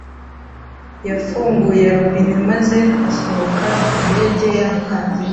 Yafunguye robine maze hasohoka indege y'amazi.